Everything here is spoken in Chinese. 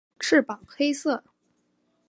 翅膀黑色。